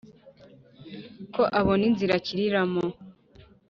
ko abona inzira akiriramo